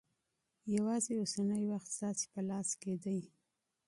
یوازې اوسنی وخت ستاسې په لاس کې دی.